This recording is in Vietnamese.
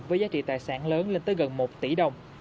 với giá trị tài sản lớn lên tới gần một tỷ đồng